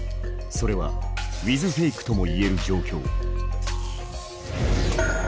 それは“ウィズフェイク”とも言える状況。